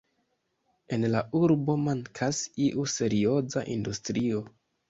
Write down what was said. En la urbo mankas iu serioza industrio.